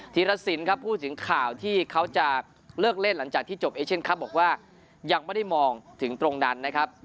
ธีรสินครับพูดถึงข่าวที่เขาจะเลิกเล่นหลังจากที่จบเอเชียนคลับบอกว่ายังไม่ได้มองถึงตรงนั้นนะครับ